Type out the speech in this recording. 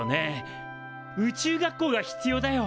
宇宙学校が必要だよ